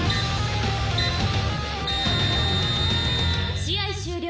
「試合終了！